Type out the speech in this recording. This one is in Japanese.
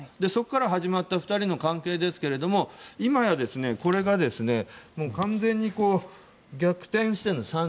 そこから始まった２人の関係ですが今やこれが、完全に逆転して。